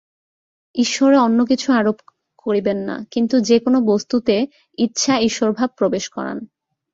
ঈশ্বরে অন্য কিছু আরোপ করিবেন না, কিন্তু যে-কোন বস্তুতে ইচ্ছা ঈশ্বরভাব প্রবেশ করান।